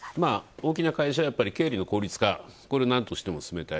大きな会社は経理の効率化、これをなんとしても進めたい。